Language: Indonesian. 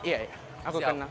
iya aku kenal